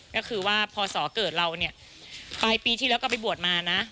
ก็คือว่าพอสอเกิดเราเนี่ยปลายปีที่แล้วก็ไปบวชมานะ